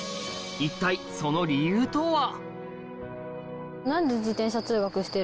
一体その理由とは？